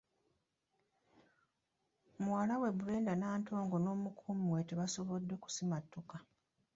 Muwala we Brenda Nantongo n’omukuumi we tebaasobodde kusimattuka.